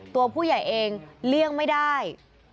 ตัวผู้ใหญ่เองเลี่ยงไม่ได้